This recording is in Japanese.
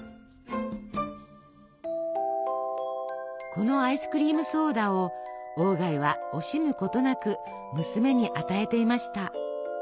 このアイスクリームソーダを鴎外は惜しむことなく娘に与えていました。